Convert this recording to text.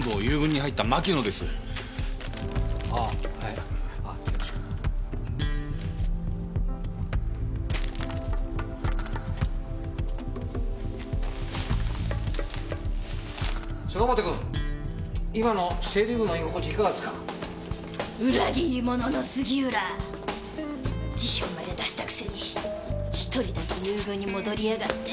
辞表まで出したくせに１人だけ遊軍に戻りやがって！